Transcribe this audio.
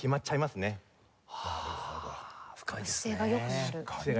姿勢が良くなる。